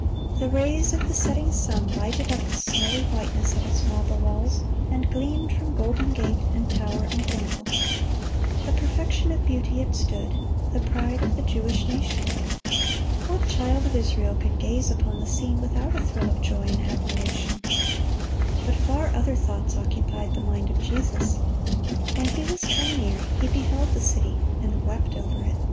The rays of the setting sun lighted up the snowy whiteness of its marble walls, and gleamed from golden gate and tower and pinnacle. "The perfection of beauty" it stood, the pride of the Jewish nation. What child of Israel could gaze upon the scene without a thrill of joy and admiration! But far other thoughts occupied the mind of Jesus. "When He was come near, He beheld the city, and wept over it."